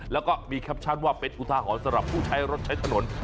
แล้วก็มีแคปชั่นว่าเป็นอุทาหรณ์สำหรับผู้ใช้รถใช้ถนน